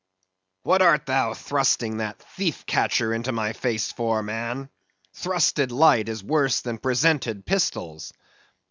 What art thou thrusting that thief catcher into my face for, man? Thrusted light is worse than presented pistols.